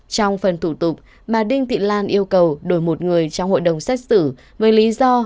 trong phần thủ tục bà đinh thị lan yêu cầu đổi một người trong hội đồng xét xử với lý do